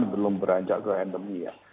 belum beranjak ke endemi ya